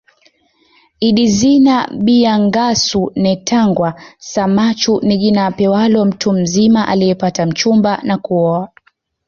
Idizina bya Ngasu netangwa Samachau ni jina apewalo mtu mzima aliyepata mchumba na kuoa